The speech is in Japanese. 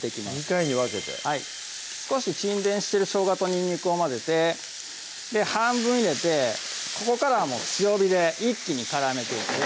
２回に分けて少し沈殿してるしょうがとにんにくを混ぜて半分入れてここからはもう強火で一気に絡めていきます